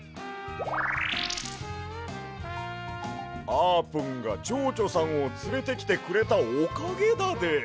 あーぷんがちょうちょさんをつれてきてくれたおかげだで。